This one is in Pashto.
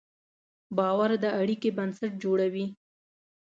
باور د اړیکې بنسټ جوړوي.